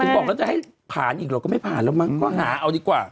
ไปให้ผ่านอีกแล้วก็ไม่ผ่านแล้วมั้งข้างหาเอาดีกว่า